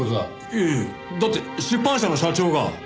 いやいやだって出版社の社長が。